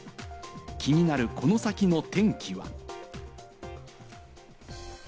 気になるこの先の天気は？